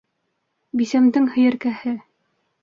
Бисәмдең һөйәркәһе!